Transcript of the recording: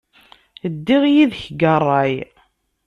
Ddiɣ yid-k deg ṛṛay.